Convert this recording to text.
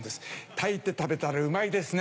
炊いて食べたらうまいですね